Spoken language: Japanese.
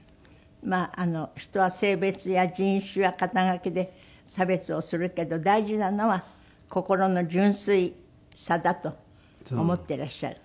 まあ人は性別や人種や肩書で差別をするけど大事なのは心の純粋さだと思ってらっしゃる。